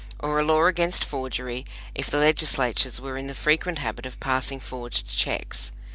Or a law against forgery if the legislators were in the frequent habit of passing forged checks?